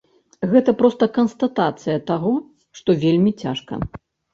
Гэта проста канстатацыя таго, што вельмі цяжка.